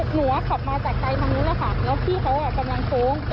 พวกเขากำลังโพ้งเข้ามาอีกฝั่งหนึ่ง